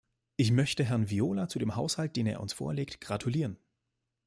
Ich möchte Herrn Viola zu dem Haushalt, den er uns vorlegt, gratulieren.